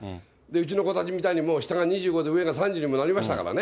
うちの子たちみたいに、下が２５で、上が３０にもなりましたからね。